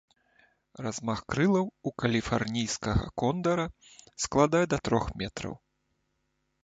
Размах крылаў у каліфарнійскага кондара складае да трох метраў.